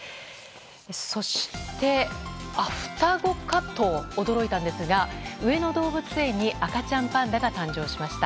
そして、双子かと驚いたんですが上野動物園に赤ちゃんパンダが誕生しました。